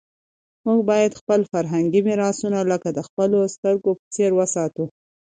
موږ باید خپل فرهنګي میراثونه لکه د خپلو سترګو په څېر وساتو.